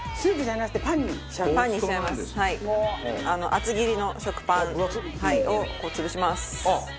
厚切りの食パンをこう潰します。